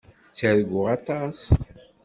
Ttarguɣ aṭas.